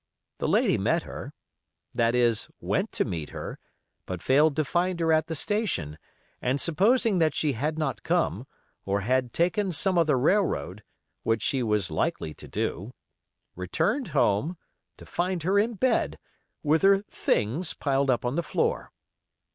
The lady met her; that is, went to meet her, but failed to find her at the station, and supposing that she had not come, or had taken some other railroad, which she was likely to do, returned home, to find her in bed, with her "things" piled up on the floor.